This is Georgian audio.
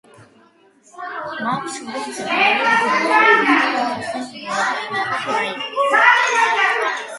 მათ შორის მდებარეობს ნაიტასირის პროვინციის ნაიტასირის რაიონი.